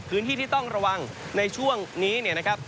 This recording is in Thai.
พื้นที่ที่ต้องระวังในช่วงนี้เนี่ยนะครับ